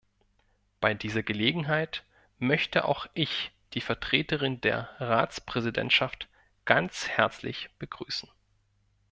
Bei dieser Gelegenheit möchte auch ich die Vertreterin der Ratspräsidentschaft ganz herzlich begrüßen.